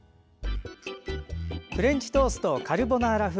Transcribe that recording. フレンチトーストカルボナーラ風。